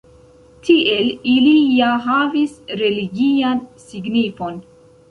Tiel ili ja havis religian signifon.